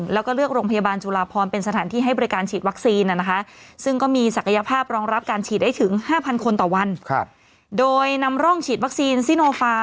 แล้วก็เลือกโรงพยาบาลจุฬาภรณ์เป็นสถานที่ให้บริการฉีดวัคซีน